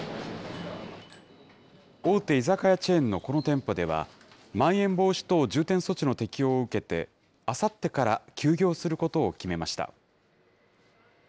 大手居酒屋チェーンのこの店舗では、まん延防止等重点措置の適用を受けて、あさってから休業することを決めました。